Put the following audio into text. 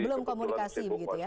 belum komunikasi begitu ya